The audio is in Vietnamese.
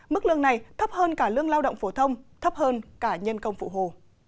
mức lương này thấp hơn cả lương lao động phổ thông thấp hơn cả nhân công phụ hồ